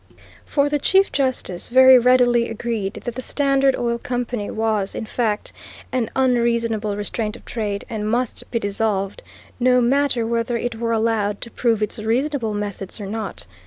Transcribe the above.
For the Chief Justice very readily agreed that the Standard Oil Company was, in fact, an unreasonable restraint of trade, and must be dissolved, no matter whether it were allowed to prove its reasonable methods or not.